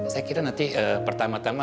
saya kira nanti pertama tama